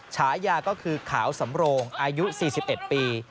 ฉายาก็คือขาวสำโรงอายุ๔๑ปี